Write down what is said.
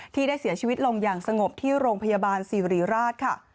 ที่ได้เสียชีวิตลงอย่างสงบที่โรงพยาบาลสิริราชค่ะ